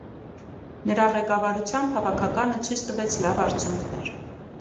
Նրա ղեկավարությամբ հավաքականը ցույց տվեց լավ արդյունքներ։